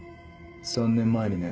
３年前にね。